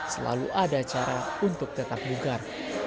selalu ada cara untuk tetap bugar